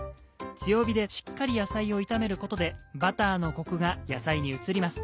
強火でしっかり野菜を炒めることでバターのコクが野菜に移ります。